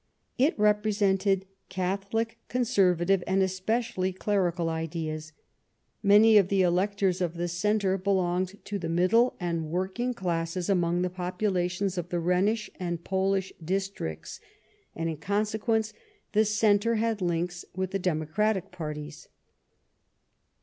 Tt represented Catholic Conservative, and especially clerical, ideas; many of the electors of the Centre belonged to the middle and working classes among the popula tions of the Rhenish and Polish districts, and, in consequence, the Centre had links with the Demo cratic parties.